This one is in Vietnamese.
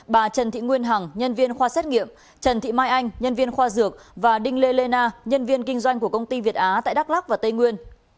bà trần thị nguyên hằng nhân viên khoa xét nghiệm trần thị mai anh nhân viên khoa dược và đinh lê lê na nhân viên kinh doanh của công ty việt á tại đắk lắc và tây nguyên